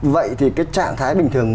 vậy thì cái trạng thái bình thường